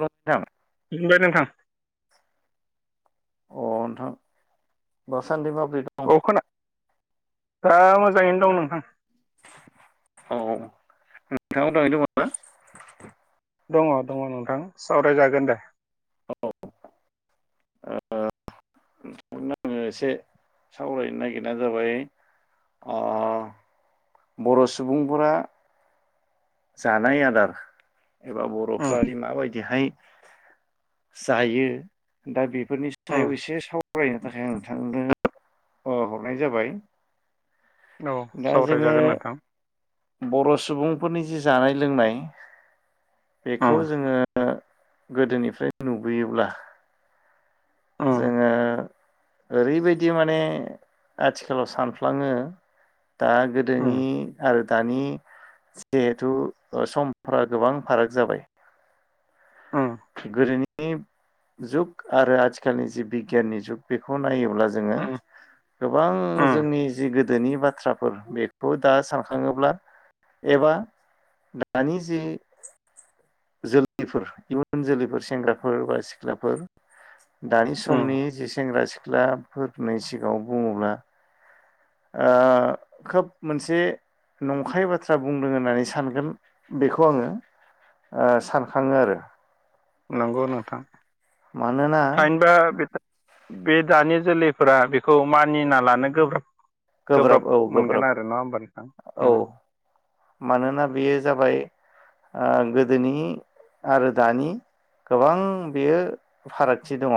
Hello नोंथां [unintelligible] नोंथां अ नोंथां दासान्दि माब्रै दं? औ खोना ओ मोजाङैनो दं नोंथां औ नोंथाङा उदांयै दङ ना दङ दङ नोंथां सावरायजागोन दे ओ जोङो एसे सावरायनो नागिरना जाबाय अ बर' सुबुंफोरा जानाय आदार एबा उम बर'फ्रादि माबायदिहाय जायो दा बेफोरनि उम सायाव एसे सावरायनो थाखाय आं नोंथांनो अ हरनाय जाबाय। औ दा जोङो सावरायजागोन नोंथां बर' सुबुंफोरनि जि जानाय लोंनाय बेखौ उम जोंङो गोदोनिफ्राय नुबोयोब्ला उम जोङो ओरैबायदि माने आथिखालाव सानफ्लाङो दा उम गोदोनि आरो दानि जिहेथु समफोरा गोबां फाराग जाबाय उम गोदोनि जुग आरो आथिखालनि जि बिगियाननि जुग बेखौ नायोब्ला जोङो उम गोबां उम जोंनि जि गोदोनि बाथ्राफोर बेखौ दा सानखाङोब्ला एबा दानि जे जोलैफोर इयुन जोलैफोर सेंग्राफोर बा सिख्लाफोर दानि उम समनि जे सेंग्रा सिख्लाफोरनि सिगाङाव बुङोब्ला ओ खोब मोनसे नंखाय बाथ्रा बुंदों होननानै सानगोन बेखौ आङो ओ सानखाङो आरो नंगौ नोंथां। मानोना थाइनबा बे दानि जोलैफोरा बेखौ मानिना लानो गोब्राब गोब्राब औ गोब्राब मोनगोन आरो नङा होमबा नोंथां? औ उम मानोना बेयो जाबाय ओ गोदोनि आरो दानि गोबां बेयो फारागथि दङ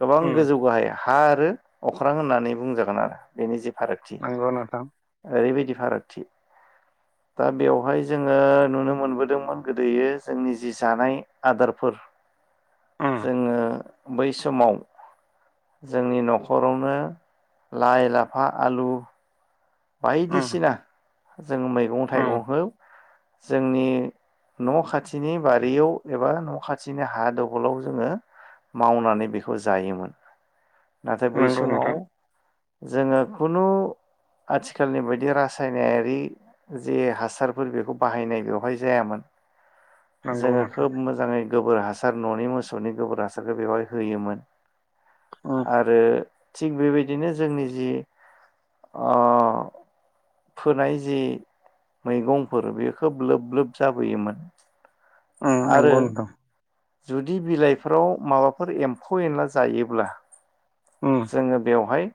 गोबां उम गोजौ गाहाय हा आरो अख्रां होननानै बुंजागोन आरो बेनि जि फारागथि नंगौ नोंथां ओरैबायदि फारागथि दा बेवहाय जोङो नुनो मोनबोदोंमोन गोदोयै जोंनि जि जानाय आदारफोर उम जोङो बै सम समाव जोंनि न'खरावनो लाइ-लाफा, आलु उम बायदिसिना जों मैगं उम थाइगंखौ जोंनि न' खाथिनि बारियाव एबा न' खाथिनि हा दबलाव जोङो मावनानै बेखौ जायोमोन। नाथाय बै नंगौ समाव नोंथां जोङो खुनु आथिखालनि बायदि रासायनारि जे हासारफोर बेखौ बाहायनाय बेवहाय जायामोन। नंगौ जोङो नोंथां खोब मोजाङै गोबोर हासार न'नि मोसौनि गोबोर हासारखौ बेवहाय होयोमोन। उम आरो थिग बेबायदिनो जोंनि जि अ फोनाय जि मैगंफोर बे खोब लोब लोब जाबोयोमोन। उम आरो नंगौ नोंथां। जुदि बिलाइफोराव माबाफोर एम्फौ एनला जायोब्ला उम जोङो बेवहाय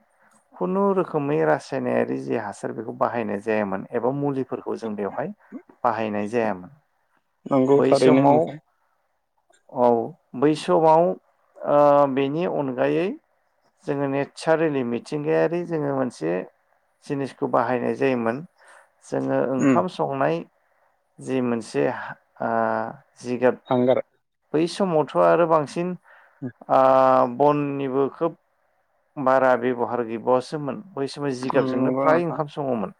खुनुुरोखोमै रासायनारि जि हासार बेखौ बाहायनाय जायामोन एबा मुलिफोरखौ जों बेवहाय बाहायनाय जायामोन। नांगौ बै थारैनो समाव नोंथां। औ बै समाव ओ बेनि अनगायै जोङो नेसारेलि मिथिंगायारि जोङो मोनसे जिनिसखौ बाहायनाय जायोमोन जोङो उम ओंखाम संनाय जि मोनसे ओ जिगाब हांगार बै समावथ' आरो बांसिन उम ओ बननिबो खोब बारा बेब'हार गैबावासोमोन। बै समाव जिगाबजोंनो नंगौ फ्राय नोंथां ओंखाम सङोमोन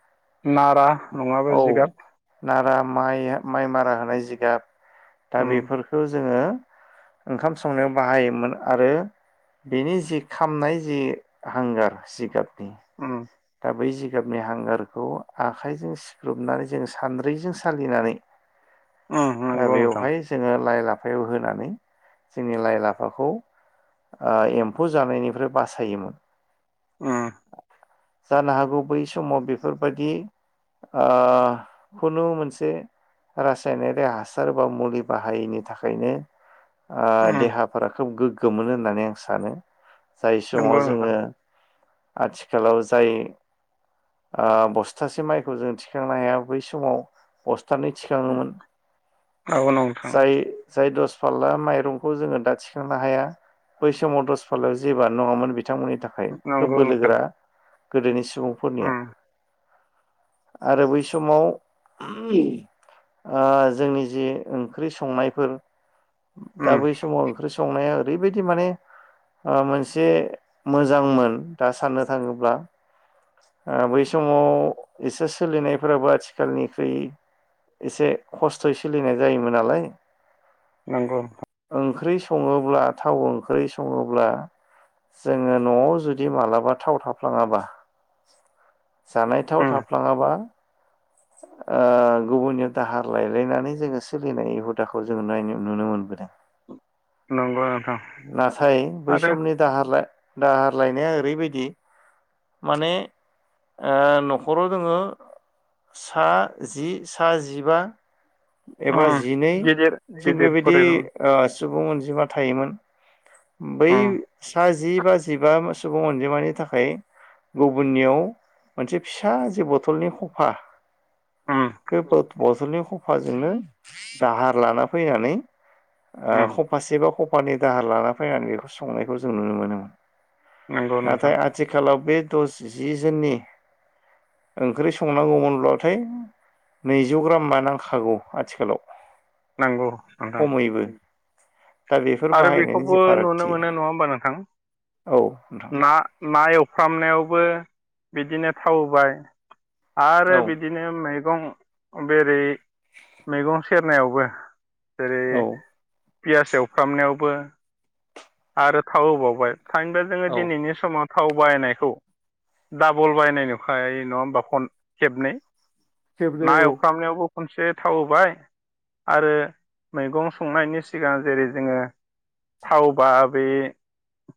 नारा नङाबा औ। जिगाब नारा माइ माइ मारा होनाय जिगाब दा उम बेफोरखौ जोङो ओंखाम संनायाव बाहायोमोन आरो बेनि जि खामनाय जि हांगार जिगाबनि उम दा बै जिगाबनि हांगारखौ आखाइजों सिबथुमनानै जोङो सानद्रिजों सालिनानै उम नंगौ नोंथां बेवहाय जोङो लाइ लाफायाव होनानै जोंनि लाइ लाफाखौ एम्फौ जानायनिफ्राय बासायोमोन। उम जानो हागौ बै समाव बेफोरबायदि ओ खुनु मोनसे रासायनारि हासार बा मुलि बाहायैनि थाखायनो ओ उम देहाफोरा खोब गोग्गो मोनो होननानै आं सानो जाय नंगौ समाव नोंथां जोङो आथिखालाव जाय ओ बस्थासे माइखौ जों थिखांनो हाया बै समाव बस्थानै थिखाङोमोन औ नोंथां जाय जाय दस फारला माइरंखौ जोङो दा थिखांनो हाया बै समाव दस फारल्लाया जेबोआनो नङामोन बिथांमोननि थाखाय नंगौ खोब नोंथां बोलोगोरा। गोदोनि सुबुंफोरनिया उम आरो बै समाव ओ जोंनि जि ओंख्रि संनायफोर दा उम बै समाव ओंख्रि संनाया ओरैबायदि माने ओ मोनसे मोजांमोन दा साननो थाङोब्ला ओ बै समाव एसे सोलिनायफोराबो आथिखालनिख्रुइ एसे खस्थ'यै सोलिनाय जायोमोन नालाय। नोंगौ नोंथां। ओंख्रि सङोब्ला थाव ओंख्रि सङोब्ला जोङो न'आव जुदि मालाबा थाव थाफ्लाङाबा जानाय थाव उम थाफ्लाङाबा ओ गुबुननियाव दाहार लायलायनानै जोङो सोलिनाय हुदाखौ जोङो नुनो मोनबोदों। नंगौ नोंथां नाथाय बै आरो समनि दाहार दाहार लायनाया ओरैबायदि माने ओ न'खराव जोङो सा जि सा जिबा एबा उम जिनै गिदिर थिग गिदिर बेबायदि फरायल' उम ओ सुबुं अनजिमा थायोमोन बै सा जि बा जिबा सुबुं अनजिमानि थाखाय गुबुननियाव मोनसे फिसा जे बथलनि खफा उम बे बथलनि खफाजोंनो दाहार लाना फैनानै ओ उम खफासे बा खफानै दाहार लाना फैनानै बेखौ संनायखौ जों नुनो मोनो। नंगौ नोंथां नाथाय आथिखालाव बे दस जि ज'ननि ओंख्रि संनांगौमोनब्लाथाय नैजौ ग्रामा नां खागौ आथिखालाव। नंगौ नोंथां। खमैबो दा बेफोर आरो बाहायनायनि बेखौबो जि नुनो फारागथि मोनो नङा होमबा नोंथां औ नोंथां ना एवफ्रामनायावबो बिदिनो थाव होबाय आरो औ बिदि नो मैगं बेरै मैगं सेरनायावबो। जेरै औ पियास एवफ्रामनायावबो। आरो थाव होबावबाय सानदो जोंङो औ दिनैनि समाव थाव बाहायनायखौ डाबल बायनाय नुखाय नङा होमबा फन खेबनै। खेबनै ना औ एवफ्रामनायावबो खनसे थाव होबाय। आरो मैगं संनायनि सिगां जेरै जोङो थाव। बा बे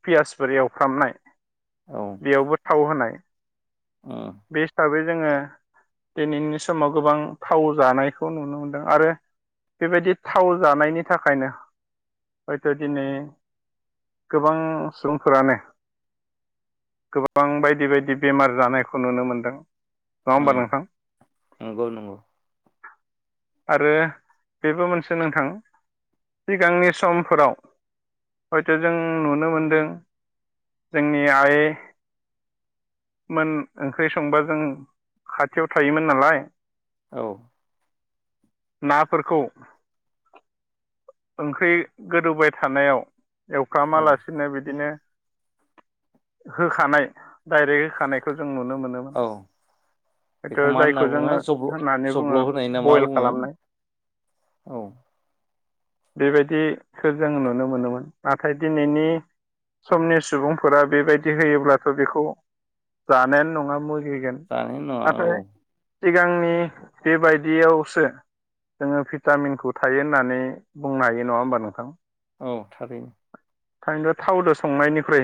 पियासफोर एवफ्रामनाय। बेयावबो थाव होनाय। अ बे हिसाबै जोंङो। दिनैनि समाव गोबां थाव जानायखौ नुनो मोनदों आरो बेबायदि थाव जानायनि थाखायनो हयथ' दिनै। गोबां सुबुंफोरानो। गोबां बायदि- बायदि बेमार जानायखौ नुनो मोनदों। नङा होमबा उम नोंथां। नंगौ नंगौ आरो बेबो मोनसे नोंथां। सिगांनि समफोराव। हयथ' जों नुनो मोनदों जोंनि आइ। मोन ओंख्रि संबा जों खाथियाव थायोमोन नालाय औ नाफोरखौ ओंख्रि गोदौबाय थानायाव एवफ्रा औ मालासे बि बिदिनो होखानाय डाइरेक्ट होखानायखौ जों नुनो मोनोमोन। औ थ बेखौ मा होनना जायखौ बुङो जोंङो जब्ल' होननानै बुंङो जब्ल' होनाय ना मा बयल बुङो खालामनाय औ बेबायदिखो जों नुनो मोनोमोन नाथाय दिनैनि समनि सुबुंफोरा बेबायदि होयोब्लाथ' बेखौ जानायानो नंङा मुगैगोन। जानायानो नोंआ नाथाय औ। सिगांनि बेबायदियावसो जोंङो भिटामिनखौ थायो होननानै बुंनो हायो नंङा होमबा नोंथां? औ थारैनो ओंखायनो थावजों संनायनिख्रुइ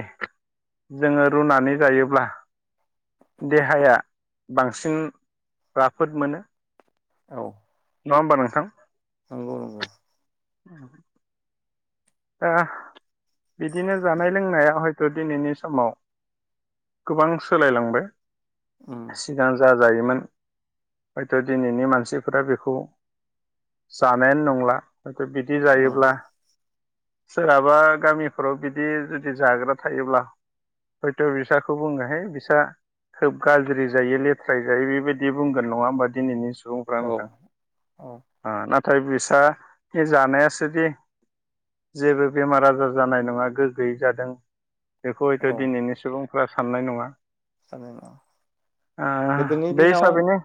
जोंङो रुनानै जायोब्ला देहाया बांसिन राफोद मोनो। औ नंङा होमबा नोंथां? नंगौ नंगौ [unintelligible] ओ बिदिनो जानाय लोंनाया हयथ' दिनैनि समाव गोबां सोलायलांबाय। ओम सिगां जा जायोमोन हयथ' दिनैनि मानसिफोरा बेखौ जानायानो नंला हयथ' बिदि उम जायोब्ला सोरहाबा गामिफोराव बिदि जुदि जाग्रा थायोब्ला हयथ' बिसाखौ बुंङो है बिसा खोब गाज्रि जायो लेथ्रायै जायो बेबायदि बुंगोन नंङा होमबा दिनैनि स औ औ [inaudible] आ नाथाय बिसा जानायासोदि जेबो बेमार आजार जानाय नङा गोग्गोयै जादों बेखौ औ हयथ' दिनैनि सुबुं फोरा साननाय नङा। जानाय नङा ओ गोदोनि बे दिनाव हिसाबैनो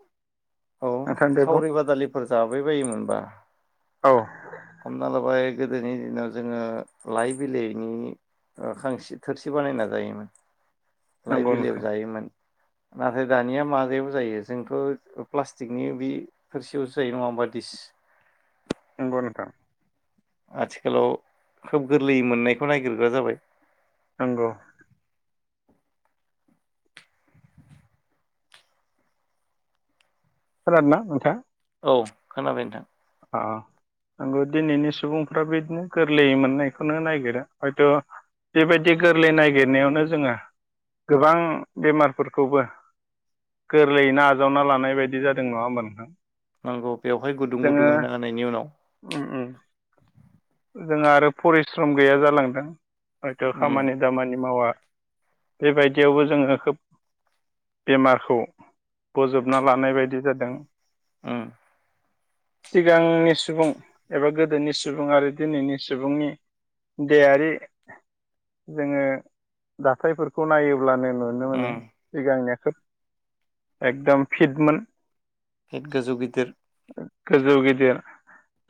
औ नोंथां दे बुं सावरि बादालि फोर जाबाय बायोमोनबा। औ हमना लाबाय गोदोनि दिनाव जोंङो लाइ बिलाइनि ओ खांसि थोरसि बानायना जायोमोन लाइ नंगौ बिलायाव नोंथां जायोमोन। नाथाय दानिया माबायाव जायो जोंथ' प्लास्टिकनि बि थोरसियावसो जायो नङा होनबा दिस नोंगौ नोंथां। आथिखालाव खोब गोरलैयै मोननायखौ नायगिरग्रा जाबाय। नोंगौ खोनादो ना नोंथां? औ खोनाबाय नोंथां। आ नोंगौ दिनैनि सुबुंफ्रा बिदिनो गोरलैयै मोननायखौनो नागिरो हयथ' बेबायदि गोरलै नागिरनायावनो जोंङो गोबां बेमारफोरखौबो गोरलैयैनो आजावना लानाय बायदि जादों नङा होमबा नोंथां? नोंगौ बेवहाय गुदुं गुदुं जोङो होनो हानायनि उनाव उम उम ओजों आरो परिस्रम गैया जालांदों हयथ' उम खामानि दामानि मावा। बेबायदियावबो जोङो खोब बेमारखौ बजबना लानाय बायदि जादों। ओ सिगांनि सुबुं एबा गोदोनि सुबुं आरो दिनैनि सुबुंनि देहायारि जोङो दाथायफोरखौ नायोब्लानो नु नुनो उम मोनो सिगांनिया खोब एकदम फिटमोन। फिट गोजौ गिदिर गोजौ गिदिर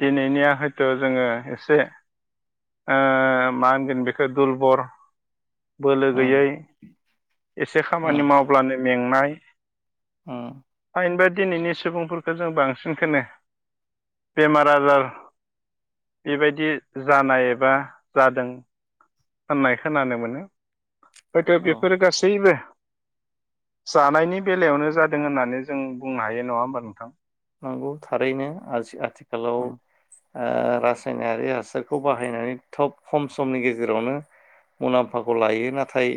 दिनैनिया हयथ' जोङो एसे से ओ मा होनगोन बेखौ दुरबल बोलो उम गैयै एसे उम खामानि मावब्लानो मेंनाय अ फाइनबो दिनैनि सुबुंफोरखौ जों बांसिनखौनो बेमार आजार बेबायदि जानाय एबा जादों। होननाय खोनानो मोनो हयथ' औ बेफोर गासैबो जानायनि बेलायावनो जादों होननानै जों बुंनो हायो नङा होमबा नोंथां। नोंगौ थारैनो आज आथिखालाव उम ओ रासायनारि हासारखौ बाहायनानै थब खम समनि गेजेरावनो मुलाम्फाखौ लायो नाथाय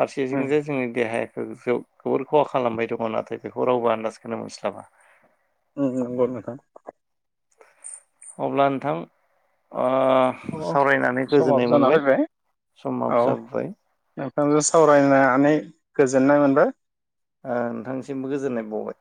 फारसेथिं जे जोंनि देहायाखौ खौ खोवोर खहा खालामबाय दङ नाथाय बेखौ रावबो आन्दाजखौनो मोनस्लाबा। औ नोंगौ नोंथां अब्ला नोंथां अ अ सावरायनानै समाबो गोजोननाय जाना मोनबाय फैबाय समाबो जाबोबाय। नोंथांजो सावरायनानै गोजोननाय मोनबाय। ओ नोंथांनिसिमबो गोजोनाय बाउबाय।